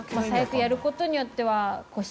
やることによっては。